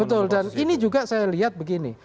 betul dan ini juga saya lihat begini